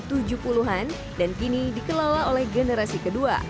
kedua jenang ini sudah dikeluarkan oleh generasi ke dua